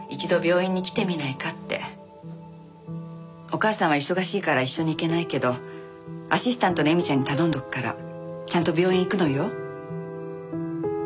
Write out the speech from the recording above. お母さんは忙しいから一緒に行けないけどアシスタントの恵美ちゃんに頼んでおくからちゃんと病院へ行くのよ。